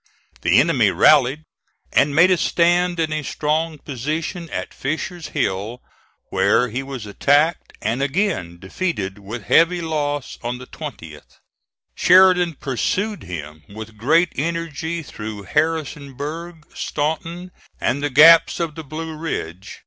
The enemy rallied, and made a stand in a strong position at Fisher's Hill, where he was attacked, and again defeated with heavy loss on the 20th [22d]. Sheridan pursued him with great energy through Harrisonburg, Staunton, and the gaps of the Blue Ridge.